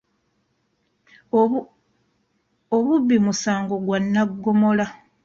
Obubbi musango gwa nnaggomola.